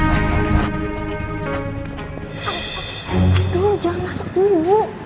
aduh jangan masuk dulu